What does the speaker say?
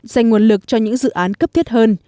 dành nguồn lực cho những dự án cấp thiết hơn